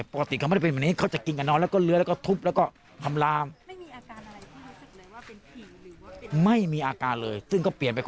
ปกติสิ่งพวกกันไม่ว่าเขาคุยไม่รู้เรื่องแต่เนี่ย